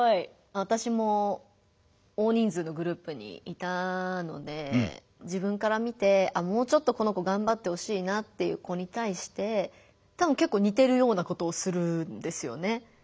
私も大人数のグループにいたので自分から見てあっもうちょっとこの子がんばってほしいなっていう子に対してたぶんけっこう似てるようなことをするんですよね。